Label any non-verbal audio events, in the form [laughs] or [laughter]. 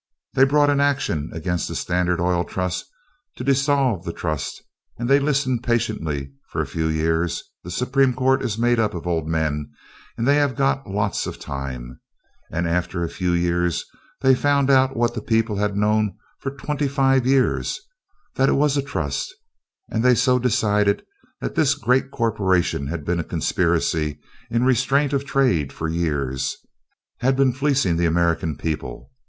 They brought an action against the Standard Oil Trust to dissolve the Trust and they listened patiently for a few years the Supreme Court is made up of old men, and they have got lots of time [laughs] and after a few years they found out what the people had known for twenty five years, that it was a trust, and they so decided that this great corporation had been a conspiracy in restraint of trade for years, had been fleecing the American people.